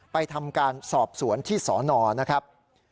ทำการสอบสวนที่สนนะครับ